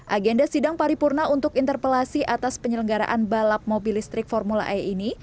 agenda sidang paripurna untuk interpelasi atas penyelenggaraan balap mobil listrik formula e ini